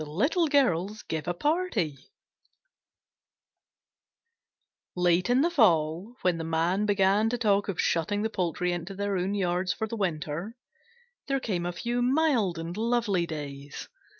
THE LITTLE GIRLS GIVE A PARTY Late in the fall, when the Man began to talk of shutting the poultry into their own yards for the winter, there came a few mild and lovely days.